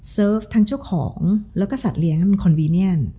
เซิร์ฟทั้งเจ้าของแล้วก็สัตว์เลี้ยงมันคอนวีเนียน